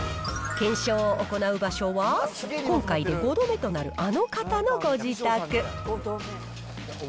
検証を行う場所は、今回で５度目となるあの方のご自宅。